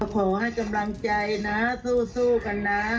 ขอให้กำลังใจนะสู้กันนะ